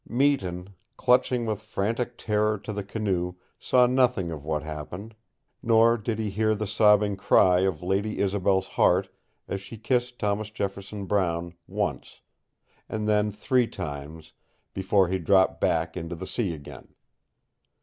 Meton, clutching with frantic terror to the canoe saw nothing of what happened, nor did he hear the sobbing cry of Lady Isobel's heart as she kissed Thomas Jefferson Brown, once, and then three times, before he dropped back into the sea again.